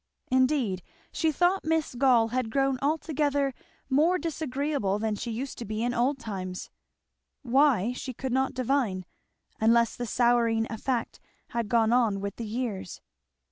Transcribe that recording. Indeed she thought Miss Gall had grown altogether more disagreeable than she used to be in old times. Why, she could not divine, unless the souring effect had gone on with the years.